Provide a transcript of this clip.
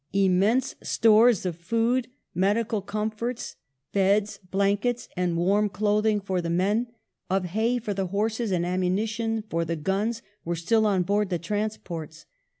Immense stores of food, medical comforts, beds, 1855] THE WINTER OF 1854 1855 235 blankets, and warm clothing for the men, of hay for the horses and ammunition for the guns were still on board the transports.